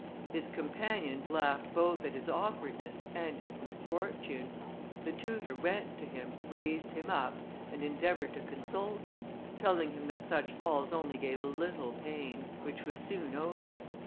His companions laughed both at his awkwardness and his misfortune. The tutor went to him, raised him up, and endeavoured to console him, telling him that such falls only gave a little pain, which was soon over.